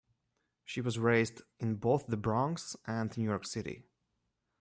She was raised in both The Bronx and New York City.